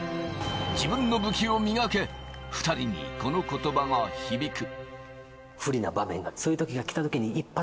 自分の武器を磨け、２人にこの言葉が響く。